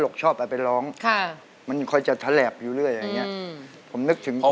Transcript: ลูกชอบเอาไปร้องมันค่อยจะแถลบอยู่เรื่อยอย่างเงี้ย